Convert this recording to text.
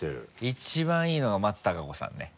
一番いいのが松たか子さんね。